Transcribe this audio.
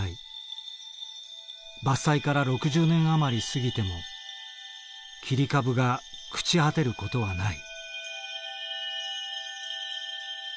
伐採から６０年余り過ぎても切り株が朽ち果てる事はない。